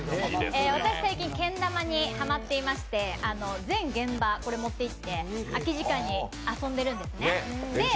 私は最近、けん玉にハマってまして全現場、これ持っていって空き時間に遊んでいるんですね。